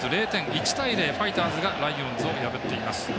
１対０でファイターズがライオンズを破っています。